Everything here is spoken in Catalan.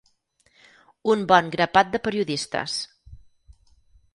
Un bon grapat de periodistes.